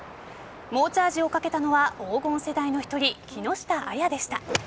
猛チャージをかけたのは黄金世代の１人、木下彩でした。